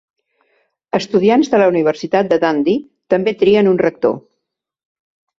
Estudiants de la Universitat de Dundee també trien un rector.